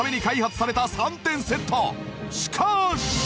しかし！